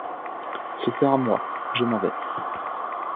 Ce sera moi, je m’en vais.